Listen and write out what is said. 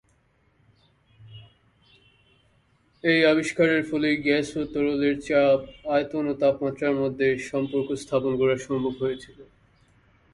এই আবিষ্কারের ফলেই গ্যাস ও তরলের চাপ, আয়তন ও তাপমাত্রার মধ্যে সম্পর্ক স্থাপন করা সম্ভব হয়েছিলো।